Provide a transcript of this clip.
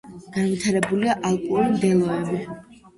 განვითარებულია ალპური მდელოები.